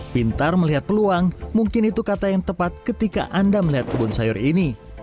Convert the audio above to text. pintar melihat peluang mungkin itu kata yang tepat ketika anda melihat kebun sayur ini